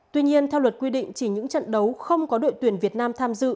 tuy nhiên theo luật quy định chỉ những trận đấu không có đội tuyển việt nam tham dự